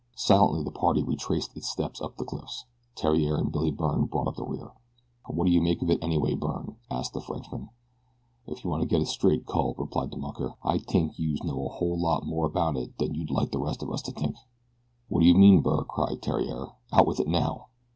Silently the party retraced its steps up the cliff. Theriere and Billy Byrne brought up the rear. "What do you make of it anyway, Byrne?" asked the Frenchman. "If you wanta get it straight, cul," replied the mucker, "I tink youse know a whole lot more about it dan you'd like to have de rest of us tink." "What do you mean, Byrne?" cried Theriere. "Out with it now!"